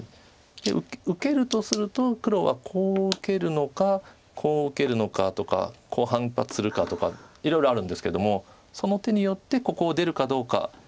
受けるとすると黒はこう受けるのかこう受けるのかとかこう反発するかとかいろいろあるんですけどもその手によってここを出るかどうか。